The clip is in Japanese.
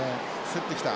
競ってきた。